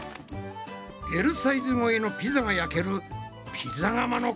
Ｌサイズ超えのピザが焼けるピザ窯の完成だ！